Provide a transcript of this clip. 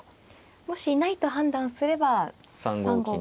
もしいないと判断すれば３五金と。